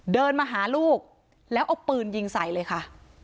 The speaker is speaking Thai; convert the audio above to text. เดินมาหาลูกแล้วเอาปืนยิงใส่เลยค่ะ